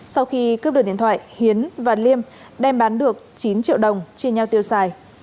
sau khi cướp được điện thoại hiến và liêm đem bán được chín triệu đồng chia nhau tiêu xài